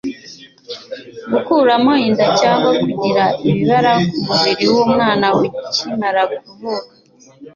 Gukuramo inda, cyangwa kugira ibibara ku mu biri w’umwana ukimara kuvuka ,